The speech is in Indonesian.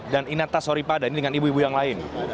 dan inat tasoripada ini dengan ibu ibu yang lain